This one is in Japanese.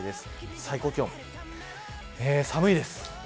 最高気温寒いです。